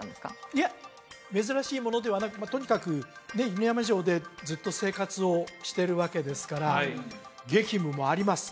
いや珍しいものではなくとにかくねっ犬山城でずっと生活をしてるわけですから激務もあります